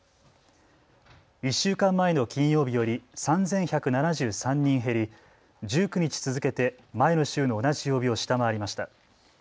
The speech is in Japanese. １週間前の金曜日より３１７３人減り、１９日続けて前の週の同じ曜日を下回りました。